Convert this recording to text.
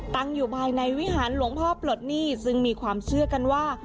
ตั้งอยู่ภายในวิหารหลวงพ่อปลดหนี้ซึ่งมีความเชื่อกันว่า